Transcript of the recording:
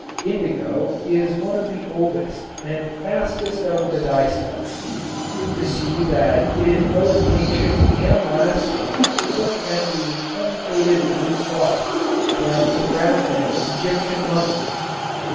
Indigo is one of the oldest and fastest of the dyestuffs. To see that it is both ancient and lasting look at the unfaded blue cloths that enwrap an Egyptian mummy.